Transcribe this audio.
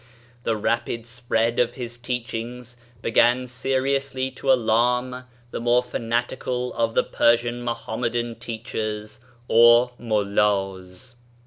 The rapid spread of his teachings begai> seriously to alarm the more fanatical of the Persian Mohammedan teachers or Mullahs.